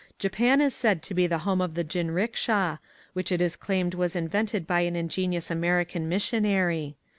Japan is said to be the home of the jinricksha, which it is claimed was in vented by an ingenious American mis sionary.